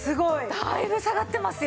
だいぶ下がってますよ。